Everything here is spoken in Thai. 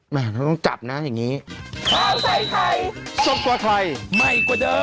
มันต้องจับนะอย่างนี้